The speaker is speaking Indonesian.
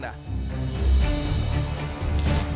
sampah apk di ruling facts